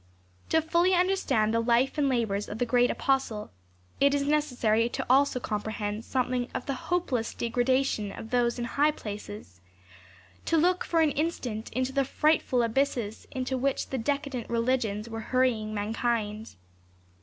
To fully understand the life and labors of the great apostle, it is necessary to also comprehend something of the hopeless degradation of those in high places, to look for an instant into the frightful abysses into which the decadent religions were hurrying mankind.